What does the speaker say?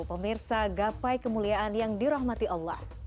pemirsa gapai kemuliaan yang dirahmati allah